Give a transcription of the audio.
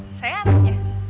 masih saya anaknya